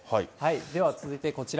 では続いてこちら。